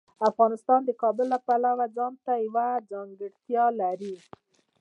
افغانستان د کابل له پلوه ځانته یوه ځانګړتیا لري.